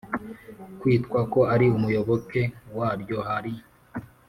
kwitwa ko ari umuyoboke waryo Hari